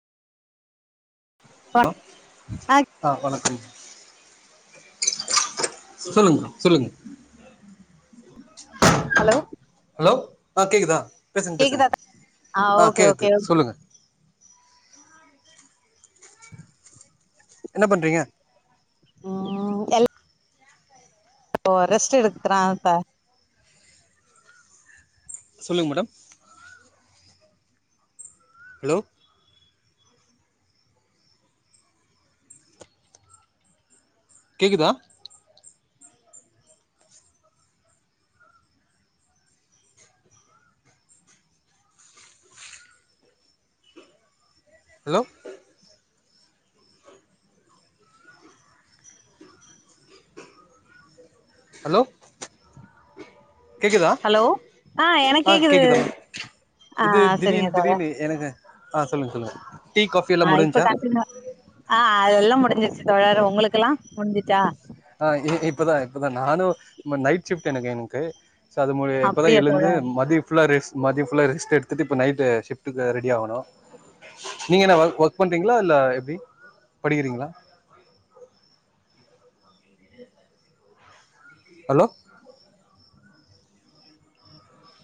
ஆ hello ஆ வணக்கம் சொல்லுங் சொல்லுங் ஹலோ ஹலோ ஆ கேக்குதா பேசுங்க பேசுங்க கேக்குதா ஆ ஓகே கேக்து ஓகே சொல்லுங்க என்ன பண்றீங்க ம் எல் ஓ ரெஸ்ட் எடுக்கறான் அத சொல்லுங்க மேடம் ஹலோ கேக்குதா ஹலோ ஹலோ கேக்குதா ஹலோ எனக்கு ஆ கேக்குது கேக்குதா ஆ இது சரிங்க திடீர்னு தோழர் திடீர்னு எனக்கு ஆ சொல்லுங்க சொல்லுங்க டீ காபி எல்லா ஆ முடிச்சா முடிஞ்சிருச்சி தோழர் உங்களுக்குல்லா முடிஞ்சிச்சா ஆ இதே இப்பதா இப்பதா நானு ஆமா நைட் ஷிஃப்ட் எனக்கு எங்து ஸோ அது இப்போதா அப்படியா எழுந்து தோழர் மதி ஃபுல்லா ரெஸ் மதியம் ஃபுல்லா ரெஸ்ட் எடுத்துட்டு இப்ப நைட்டு சிஃப்ட்டுக்கு ரெடி ஆகனு நீங்க என்ன ஒர்க் ஒர்க் பண்றீங்களா இல்ல எப்டி படிக்கிறீங்களா ஹலோ